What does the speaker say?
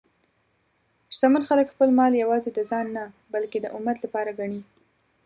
شتمن خلک خپل مال یوازې د ځان نه، بلکې د امت لپاره ګڼي.